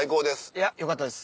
いやよかったです。